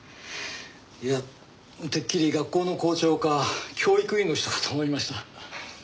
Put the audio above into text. いやてっきり学校の校長か教育委員の人かと思いました。